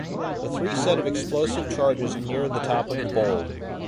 The three set off explosive charges near the top of the Bowl.